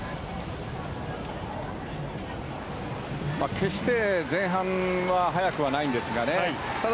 決して前半は速くはないんですがただ、